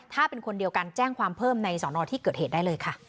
ถ้าเป็นคนเดียวกันแจ้งความเพิ่มในสอนอที่เกิดเหตุได้เลยค่ะ